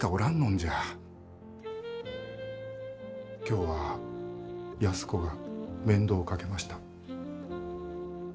今日は安子が面倒をかけました。